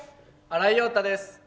新井庸太です。